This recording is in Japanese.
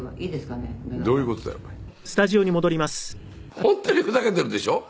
本当にふざけているでしょ？